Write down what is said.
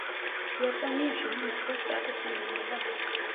იაპონიაში მან ოქროს სტატუსი მიიღო.